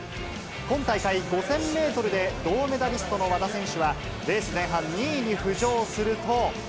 今大会、５０００メートルで銅メダリストの和田選手は、レース前半、２位に浮上すると。